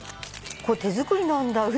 これ手作りなんだ。